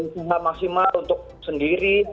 penerja maksimal untuk sendiri